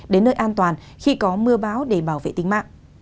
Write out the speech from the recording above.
đến nơi an toàn khi có mưa báo để bảo vệ tính mạng